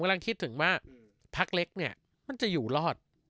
ผมต้องครับถึงว่าพักเล็กเนี้ยมันจะอยู่รอด